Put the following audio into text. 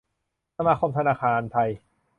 สมาคมธนาคารไทย